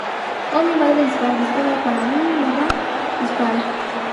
O mi madre dispara en España, y ¡Para o mi mamá dispara!